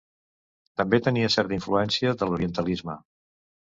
També tenia certa influència de l'orientalisme.